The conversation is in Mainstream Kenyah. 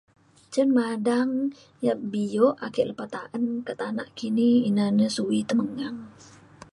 Cen madang ya bio ake lepa taan ke tanak kini ina na sui temengang.